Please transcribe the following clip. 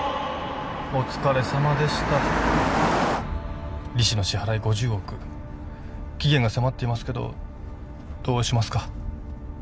お疲れさまでした利子の支払い５０億期限が迫っていますけどどうしますか？